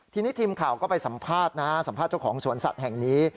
ทีนี้ทีมข่าวก็ไปสัมภาษณ์นะสัมภาษณ์เจ้าของสวนสัตว์แห่งนี้